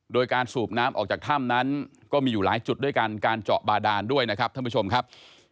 โดยการสูบน้ำออกจากถ้ำนั้นก็มีอยู่หลายจุดด้วยกันการเจาะบาดานด้วยนะครับท่านผู้ชมครับ